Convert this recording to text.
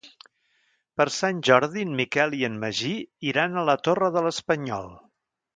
Per Sant Jordi en Miquel i en Magí iran a la Torre de l'Espanyol.